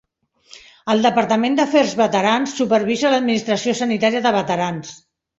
El Departament d'Afers Veterans supervisa l'administració sanitària de veterans.